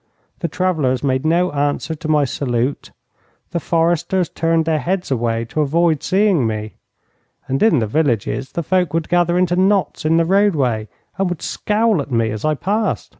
The travellers made no answer to my salute; the foresters turned their heads away to avoid seeing me; and in the villages the folk would gather into knots in the roadway and would scowl at me as I passed.